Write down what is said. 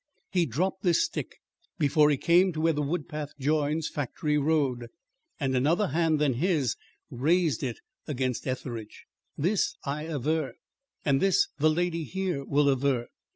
He dropped this stick before he came to where the wood path joins Factory Road; and another hand than his raised it against Etheridge. This I aver; and this the lady here will aver.